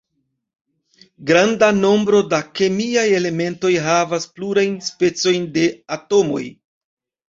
Granda nombro da kemiaj elementoj havas plurajn specojn de atomoj.